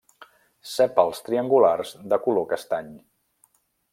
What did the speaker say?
Sèpals triangulars, de color castany.